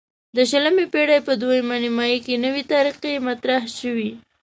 د شلمې پیړۍ په دویمه نیمایي کې نوې طریقې مطرح شوې.